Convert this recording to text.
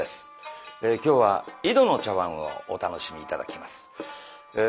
今日は「井戸の茶碗」をお楽しみ頂きます。